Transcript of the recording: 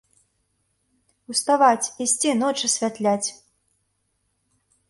Уставаць, ісці, ноч асвятляць!